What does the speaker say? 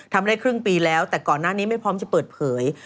ทำได้ครึ่งปีแล้วแต่ก่อนหน้านี้ไม่พร้อมจะเปิดเผย